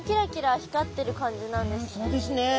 そうですね。